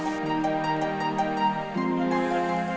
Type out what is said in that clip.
anandya eh tunggu tunggu